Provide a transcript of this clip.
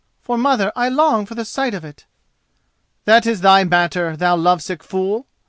for, mother, I long for the sight of it." "That is thy matter, thou lovesick fool.